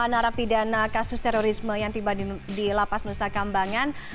narapidana kasus terorisme yang tiba di lapas nusa kambangan